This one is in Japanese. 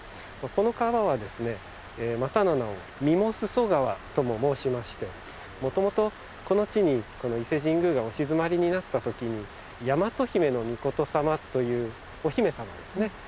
この川はまたの名を御裳濯川とも申しましてもともとこの地に伊勢神宮がおしずまりになったときに倭姫命さまというお姫様ですね。